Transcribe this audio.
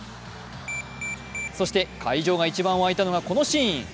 そして会場が一番沸いたのがこのシーン。